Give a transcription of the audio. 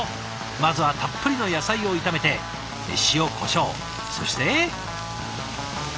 まずはたっぷりの野菜を炒めて塩こしょうそして。